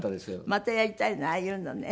またやりたいねああいうのね。